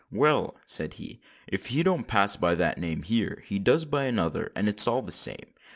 "Well," said he, "if he don't pass by that there name, he does by another—and it's all the same.